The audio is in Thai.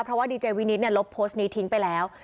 เพราะว่าดีเจวินิตลบโพสต์นี้ทิ้งไปแล้ว